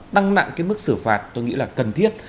tăng nặng cái mức xử phạt tôi nghĩ là cần thiết